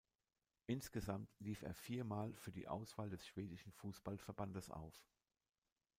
Insgesamt lief er viermal für die Auswahl des schwedischen Fußballverbandes auf.